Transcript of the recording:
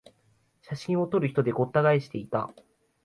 写真を撮る人でごった返していた